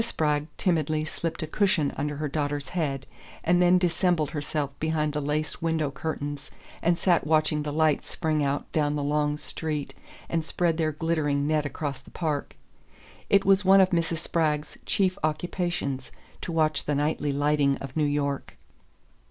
Spragg timidly slipped a cushion under her daughter's head, and then dissembled herself behind the lace window curtains and sat watching the lights spring out down the long street and spread their glittering net across the Park. It was one of Mrs. Spragg's chief occupations to watch the nightly lighting of New York.